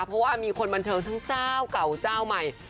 เพราะว่ามีคนบันเทิงทั้งเจ้าเก่าเจ้าใหม่